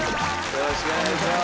よろしくお願いします。